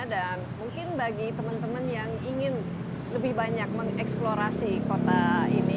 dan mungkin bagi teman teman yang ingin lebih banyak mengeksplorasi kota ini